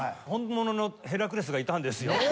本物のヘラクレスがいたんですよ。